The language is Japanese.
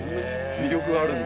魅力があるんだ。